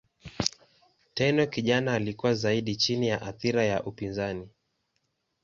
Tenno kijana alikuwa zaidi chini ya athira ya upinzani.